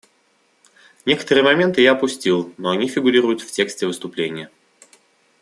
Некоторые моменты я опустил, но они фигурируют в тексте выступления.